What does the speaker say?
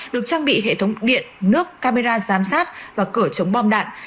được trang bị hệ thống điện nước camera giám sát và cửa chống bom đạn